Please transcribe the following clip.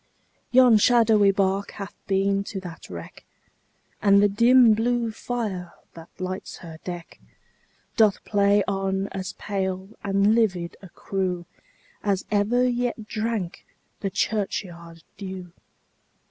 Yon shadowy bark hath been to that wreck, And the dim blue fire, that lights her deck, Doth play on as pale and livid a crew, As ever yet drank the churchyard dew.